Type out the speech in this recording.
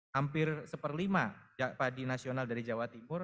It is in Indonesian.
hampir satu per lima padi nasional dari jawa timur